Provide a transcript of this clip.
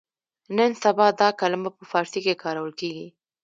نن سبا دا کلمه په فارسي کې کارول کېږي.